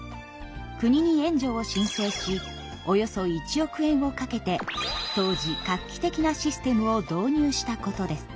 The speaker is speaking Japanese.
国に援助を申請しおよそ１億円をかけて当時画期的なシステムを導入したことです。